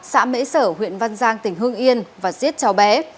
xã mễ sở huyện văn giang tỉnh hưng yên và giết cháu bé